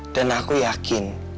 dan aku yakin